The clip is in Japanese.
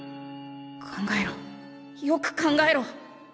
考えろよく考えろ。